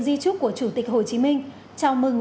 di trúc của chủ tịch hồ chí minh chào mừng